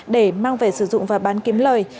để mang về sử dụng và bán kiếm lời